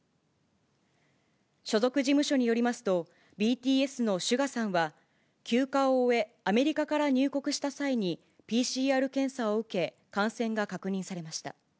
所属事務所によりますと、ＢＴＳのＳＵＧＡさんは、休暇を終え、アメリカから入国した際にＰＣＲ検査を受け、感染が確認されました。